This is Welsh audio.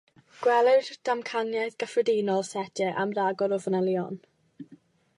Gweler damcaniaeth gyffredinol setiau am ragor o fanylion.